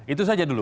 itu saja dulu